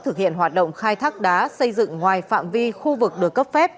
thực hiện hoạt động khai thác đá xây dựng ngoài phạm vi khu vực được cấp phép